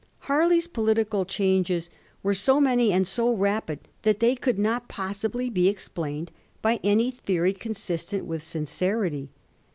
Harley's political changes were so many and so rapid that they could not possibly be explained by any theory consistent with sincerity.